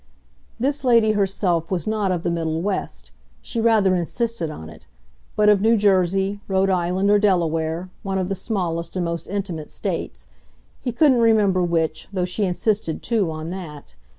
This lady herself was not of the middle West she rather insisted on it but of New Jersey, Rhode Island or Delaware, one of the smallest and most intimate States: he couldn't remember which, though she insisted too on that.